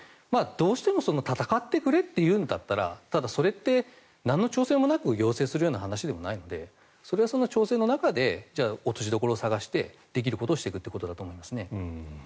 どうしても戦ってくれと言うんだったらそれってなんの調整もなく要請するような話でもないのでそれは調整の中で落としどころを探してできることをしていくということだと思います。